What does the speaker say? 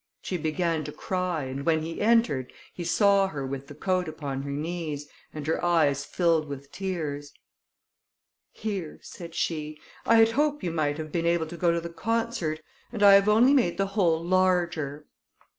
She began to cry, and when he entered, he saw her with the coat upon her knees, and her eyes filled with tears. "Here," said she, "I had hoped you might have been able to go to the concert, and I have only made the hole larger."